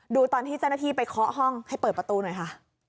ดูตอนที่เจ้าหน้าที่ไปเคาะห้องให้เปิดประตูหน่อยค่ะ